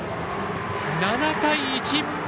７対１！